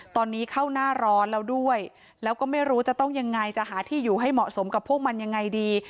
ตอนนี้เข้าหน้าร้อนแล้วด้วยแล้วก็ไม่รู้จะต้องยังไงจะหาที่อยู่ให้เหมาะสมกับพวกมันยังไงดี